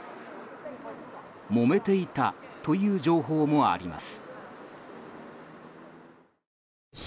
もめていたという情報もあります。